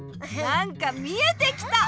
なんか見えてきた！